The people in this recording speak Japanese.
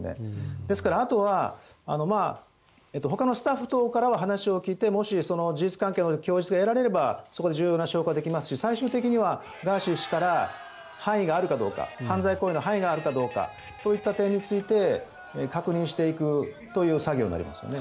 ですからあとはほかのスタッフ等からは話を聞いてもし、事実関係の供述を得られればそこで重要な証拠ができますし最終的にはガーシー氏から犯罪行為の犯意があるかどうかという点について確認していくという作業になりますね。